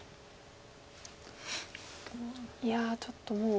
いやちょっともう。